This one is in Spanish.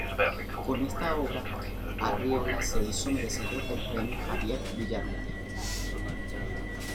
Con esta obra Arreola se hizo merecedor del premio Xavier Villaurrutia.